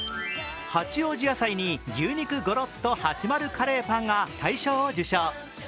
八王子野菜に牛肉ゴロッとはちまるカレーパンが大賞を受賞。